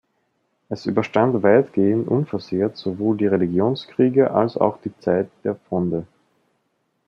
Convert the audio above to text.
Es überstand weitgehend unversehrt sowohl die Religionskriege als auch die Zeit der Fronde.